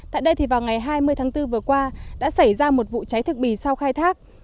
tại đây thì vào ngày hai mươi tháng bốn vừa qua đã xảy ra một vụ cháy thực bì sau khai thác